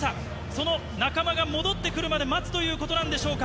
その仲間が戻ってくるまで待つということなんでしょうか。